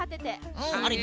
あれ？